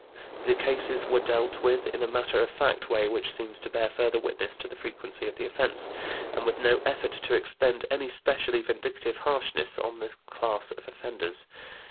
The cases were dealt with in a matter of fact way which seems to bear further witness to the frequency of the offense, and with no effort to expend any specially vindictive harshness on this class of offenders.